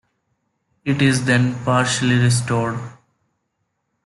It is then partially restored.